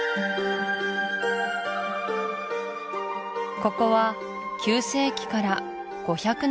ここは９世紀から５００年